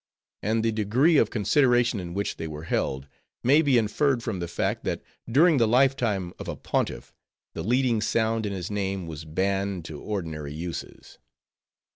And the degree of consideration in which they were held, may be inferred from the fact, that during the lifetime of a Pontiff, the leading sound in his name was banned to ordinary uses.